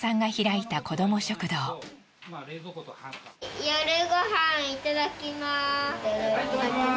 いただきます。